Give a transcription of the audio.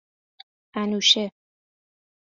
انوشه